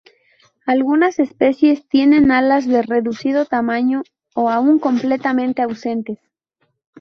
Algunas especies tienen alas de reducido tamaño o aun completamente ausentes.